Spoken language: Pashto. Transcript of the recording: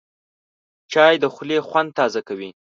چای د خولې خوند تازه کوي